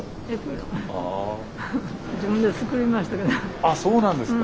あっそうなんですか。